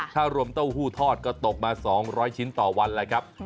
ถ้ารวมเต้าหู้ทอดก็ตกมา๒๐๐ชิ้นต่อวันแหละครับ